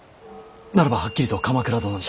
ならばはっきりと鎌倉殿に。